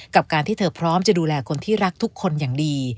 กับการที่เธอพร้อมจะดูแลคนที่รักทุกคนอย่างดี